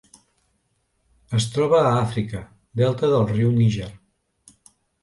Es troba a Àfrica: delta del riu Níger.